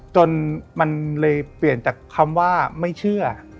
จนมันเลยเปลี่ยนจากคำว่าไม่เชื่อ